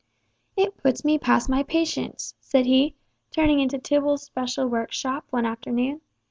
"It puts me past my patience," said he, turning into Tibble's special workshop one afternoon.